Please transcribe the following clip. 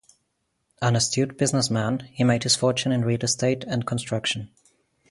An astute businessman, he made his fortune in real estate and construction.